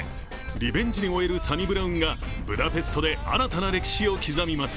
リベンジに燃えるサニブラウンがブダペストで新たな歴史を刻みます。